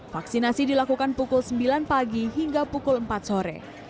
vaksinasi dilakukan pukul sembilan pagi hingga pukul empat sore